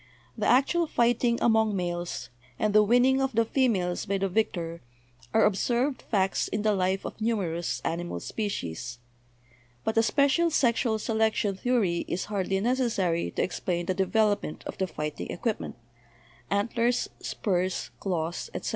The actual fighting among males, and the winning of the females by the victor, are ob served facts in the life of numerous animal species. But a special sexual selection theory is hardly necessary to explain the development of the fighting equipment — ant lers, spurs, claws, etc.